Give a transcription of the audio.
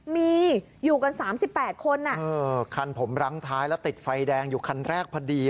มีอยู่กัน๓๘คนคันผมรั้งท้ายแล้วติดไฟแดงอยู่คันแรกพอดี